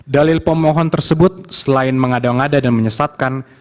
dalil pemohon tersebut selain mengada ngada dan menyesatkan